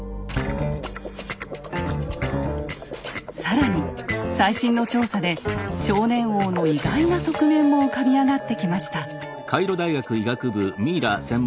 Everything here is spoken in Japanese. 更に最新の調査で少年王の意外な側面も浮かび上がってきました。